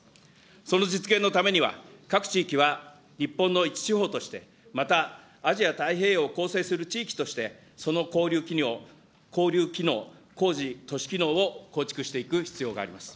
その実現のためには、各地域は日本のいち地方として、また、アジア太平洋を構成する地域として、その交流企業、交流機能、高次都市機能を構築していく必要があります。